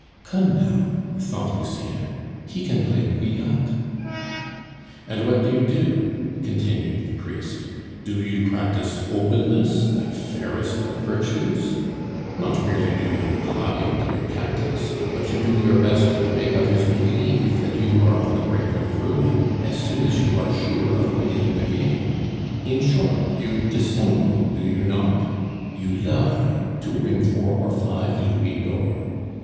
"Come, now," thought Lucien, "he can play bouillotte." "And what do you do?" continued the priest; "do you practise openness, that fairest of virtues? Not merely do you hide your tactics, but you do your best to make others believe that you are on the brink of ruin as soon as you are sure of winning the game. In short, you dissemble, do you not? You lie to win four or five louis d'or.